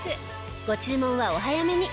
ご注文はお早めに。